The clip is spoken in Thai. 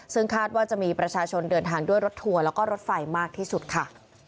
ซึ่งคาดว่าจะมีประชาชนเดินทางด้วยรถทัวร์แล้วก็รถไฟมากที่สุดค่ะ